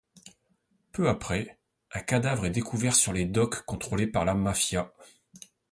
Peu après, un cadavre est découvert sur les docks contrôlés par la mafia.